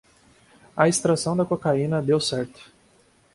A extração da cocaína deu certo